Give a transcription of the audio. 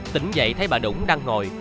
tỉnh dậy thấy bà đũng đang ngồi